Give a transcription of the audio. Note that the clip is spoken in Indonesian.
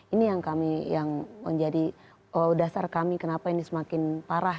ini yang menjadi dasar kami kenapa ini semakin parah